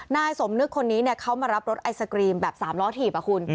นายสมนึกคนนี้เขามารับรถไอศกรีมแบบ๓ล้อถีบคุณ